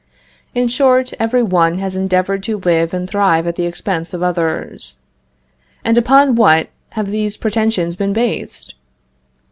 in short, every one has endeavored to live and thrive at the expense of others. And upon what have these pretensions been based?